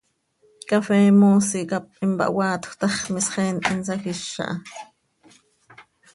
Cafee moosi cap impahoaatjö ta x, misxeen insajíz aha.